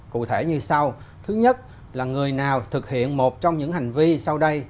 cụ thể như sau thứ nhất là người nào thực hiện một trong những hành vi sau đây